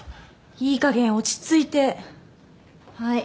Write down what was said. いいかげん落ち着いてはい